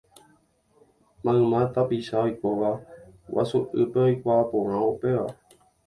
Mayma tapicha oikóva Guasu'ýpe oikuaa porã upéva.